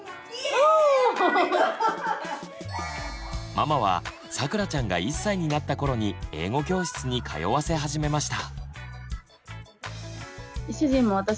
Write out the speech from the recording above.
ママはさくらちゃんが１歳になった頃に英語教室に通わせ始めました。